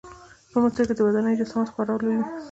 په مصر کې د ودانیو جسامت خورا لوی و.